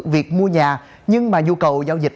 việc mua nhà nhưng mà dù cầu giao dịch